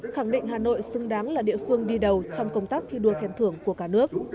khẳng định hà nội xứng đáng là địa phương đi đầu trong công tác thi đua khen thưởng của cả nước